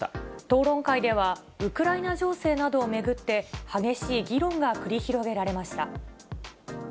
討論会では、ウクライナ情勢などを巡って、激しい議論が繰り広げられました。